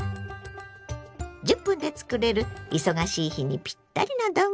１０分で作れる忙しい日にピッタリの丼。